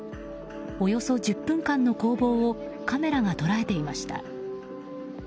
およそ１０分間の攻防をカメラが捉えていました。